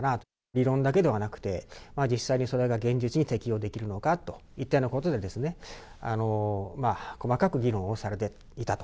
理論だけではなくて、実際にそれが現実に適用できるのかといったようなことで、細かく議論をされていたと。